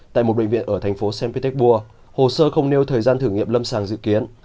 tại một bệnh viện ở thành phố saint petersburg hồ sơ không nêu thời gian thử nghiệm lâm sàng dự kiến